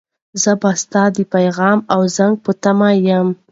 زه به ستا د پیغام او زنګ په تمه یم.